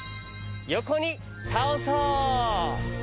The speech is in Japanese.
よこにたおそう。